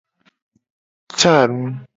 Ca nu.